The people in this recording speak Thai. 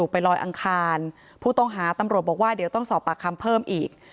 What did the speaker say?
ไปลอยอังคารผู้ต้องหาตำรวจบอกว่าเดี๋ยวต้องสอบปากคำเพิ่มอีก